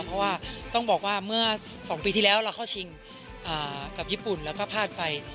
เพราะว่าต้องบอกว่าเมื่อ๒ปีที่แล้วเราเข้าชิงกับญี่ปุ่นแล้วก็พลาดไป